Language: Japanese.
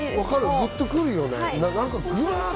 グッとくるよね。